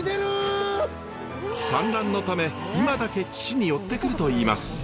産卵のため今だけ岸に寄ってくるといいます。